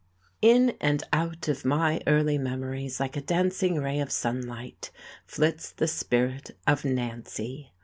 In and out of my early memories like a dancing ray of sunlight flits the spirit of Nancy.